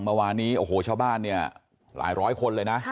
เมื่อวานนี้ชาวบ้านหลายร้อยคนเลยนะ